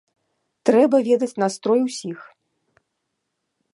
Трэба ведаць настрой усіх.